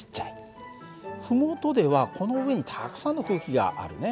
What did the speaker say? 麓ではこの上にたくさんの空気があるね。